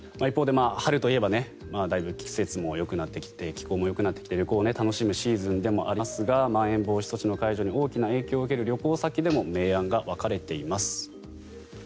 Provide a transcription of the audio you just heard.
一方で春といえばだいぶ季節もよくなってきて気候もよくなってきて旅行を楽しむシーズンですがまん延防止措置の解除に大きな影響を受ける旅行先でも明暗が分かれています。